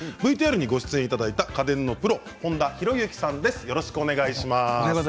ＶＴＲにご出演いただいた家電のプロ、本多宏行さんです。